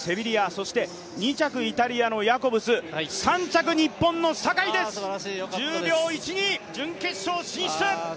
そして、２着イタリアのヤコブス３着、日本の坂井です１０秒１２準決勝進出！